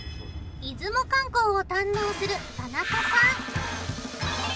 出雲観光を堪能する田中さん